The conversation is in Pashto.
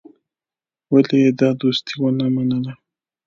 ولي يې دا دوستي ونه منله.